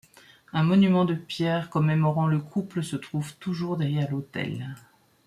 Un monument de pierre commémorant le couple se trouve toujours derrière l'autel.